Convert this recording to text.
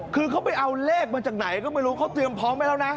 คือเขาไปเอาเลขมาจากไหนก็ไม่รู้เขาเตรียมพร้อมไว้แล้วนะ